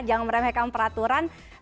jangan meremehkan peraturan